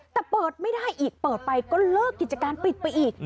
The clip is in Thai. แต่เปิดไม่ได้อีกเปิดไปก็เลิกกิจการปิดไปอีก